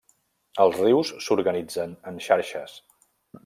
Els rius s'organitzen en xarxes.